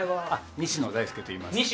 西野大輔といいます。